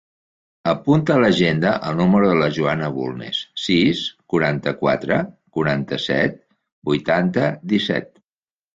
Apunta a l'agenda el número de la Joana Bulnes: sis, quaranta-quatre, quaranta-set, vuitanta, disset.